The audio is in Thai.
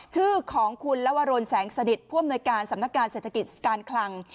ชื่อของคุณลวรนแสงสนิทผู้อำนวยการสำนักการเศรษฐกิจการคลัง